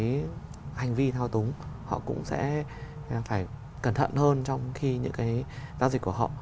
cái hành vi thao túng họ cũng sẽ phải cẩn thận hơn trong khi những cái giao dịch của họ